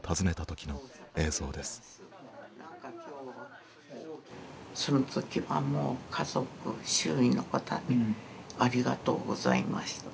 その時はもう家族周囲の方にありがとうございましたと。